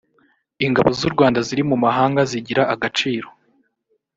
ingabo z’ u rwanda ziri mu mahanga zigira agaciro.